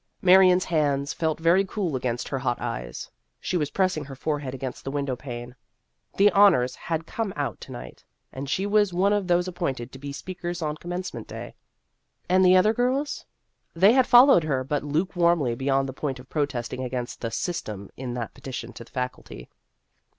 Marion's hands felt very cool against her hot eyes. She was pressing her forehead against the window pane. The "honors" had come out to night, and she was. one of those appointed to be speakers on Commencement Day. And The Career of a Radical 1 2 1 the other girls ? They had followed her but lukewarmly beyond the point of protesting against the " system " in that petition to the Faculty.